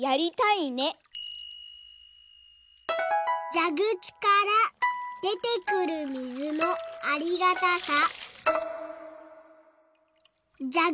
「じゃぐちからでてくるみずのありがたさ」。